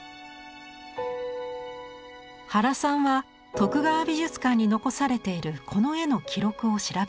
原さんは徳川美術館に残されているこの絵の記録を調べました。